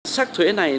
sắc thuế này